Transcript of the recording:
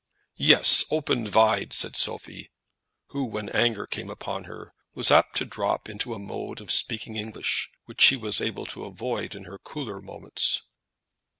"Yes, open vide," said Sophie, who, when anger came upon her, was apt to drop into a mode of speaking English which she was able to avoid in her cooler moments.